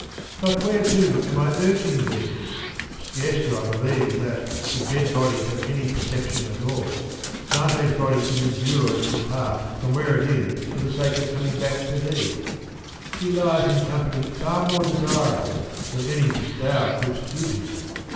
But whereto am I urging thee ? Scarce do I believe that, if dead bodies have any perception at all, Dante's body could endure E 49 to depart from where it is for the sake of coming back to thee. He lieth in company far more desirable than any which thou couldst give him.